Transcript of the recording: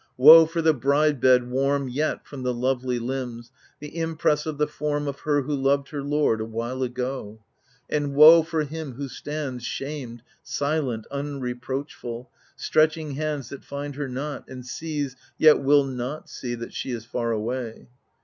Woe for the bride bed, warm Yet from the lovely limbs, the impress of the form Of her who loved her lord, awhile ago ! And woe ! for him who stands Shamed, silent, unreproachful, stretching hands That find her not, and sees, yet will not see, That she is far away